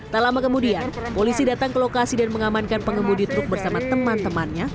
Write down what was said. tak lama kemudian polisi datang ke lokasi dan mengamankan pengemudi truk bersama teman temannya